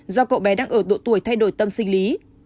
do cậu bé đang ở độ tuổi thay đổi tâm sinh lý